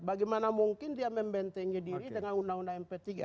bagaimana mungkin dia membentengi diri dengan undang undang mp tiga